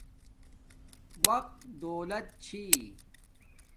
وقت دولت چھی